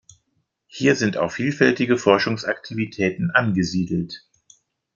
Hier sind auch vielfältige Forschungsaktivitäten angesiedelt.